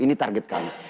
ini target kami